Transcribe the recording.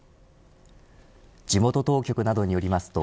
地元当局などによりますと